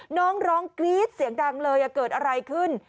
น้องร้องกรี๊ดเสียงดังเลยเกิดอะไรขึ้น